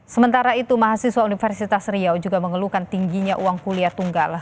sementara itu mahasiswa universitas riau juga mengeluhkan tingginya uang kuliah tunggal